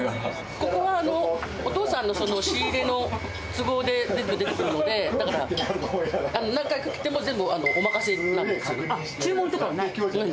ここはお父さんの仕入れの都合で全部出てくるので、だから、何回来ても、注文とかはない？